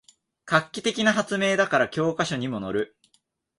画期的な発明だから教科書にものる